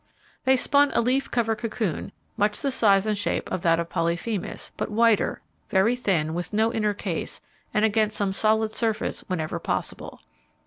They spun a leaf cover cocoon, much the size and shape of that of Polyphemus, but whiter, very thin, with no inner case, and against some solid surface whenever possible.